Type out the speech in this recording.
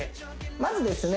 まずですね